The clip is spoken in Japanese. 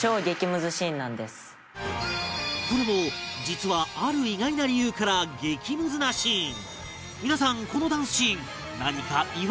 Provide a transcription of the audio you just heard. これも実はある意外な理由から激ムズなシーン